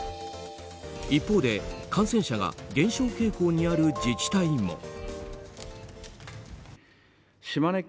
一方で、感染者が減少傾向にある自治体も。